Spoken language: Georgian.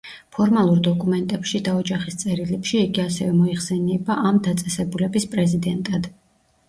ფორმალურ დოკუმენტებში და ოჯახის წერილებში, იგი ასევე მოიხსენიება ამ დაწესებულების პრეზიდენტად.